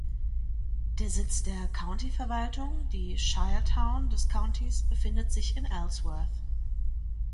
Der Sitz der Countyverwaltung, die Shire Town des Countys befindet sich in Ellsworth.